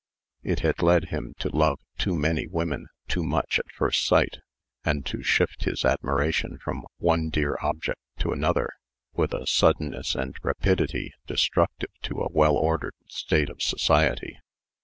It had led him to love too many women too much at first sight, and to shift his admiration from one dear object to another with a suddenness and rapidity destructive to a well ordered state of society.